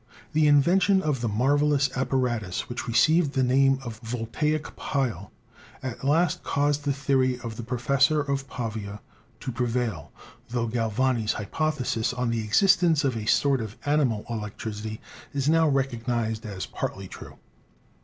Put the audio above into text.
The invention of the marvelous apparatus which received the name of the Voltaic pile at last caused the theory of the professor of Pavia to prevail, tho Galvani's hypothesis on the ex istence of a sort of animal electricity is now recognised as partly true.